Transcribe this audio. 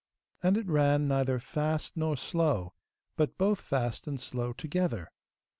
And it ran neither fast nor slow, but both fast and slow together.